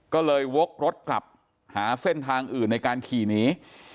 ก็เลยวกรถกลับหาเส้นทางอื่นในการขี่หนี